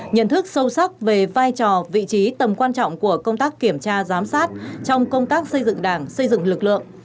nhận thức sâu sắc về vai trò vị trí tầm quan trọng của công tác kiểm tra giám sát trong công tác xây dựng đảng xây dựng lực lượng